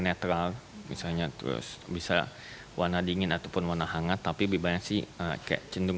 netral misalnya terus bisa warna dingin ataupun warna hangat tapi lebih banyak sih kayak cenderung